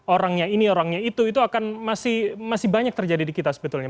orangnya ini orangnya itu itu akan masih banyak terjadi di kita sebetulnya